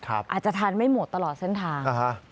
อาจจะทานไม่หมดตลอดเส้นทาง